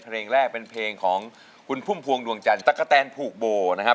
เพลงแรกเป็นเพลงของคุณพุ่มพวงดวงจันทร์ตะกะแตนผูกโบนะครับ